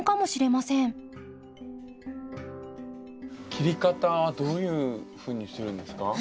切り方はどういうふうにするんですか？